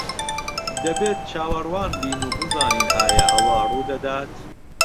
دەبێت چاوەڕوان بین و بزانین ئایا ئەوە ڕوودەدات.